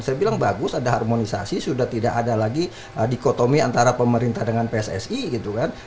saya bilang bagus ada harmonisasi sudah tidak ada lagi dikotomi antara pemerintah dengan pssi gitu kan